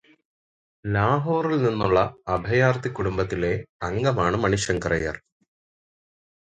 ലാഹോറിൽ നിന്നുള്ള അഭയാർത്ഥി കുടുംബത്തിലെ അംഗമാണ് മണിശങ്കർ അയ്യർ.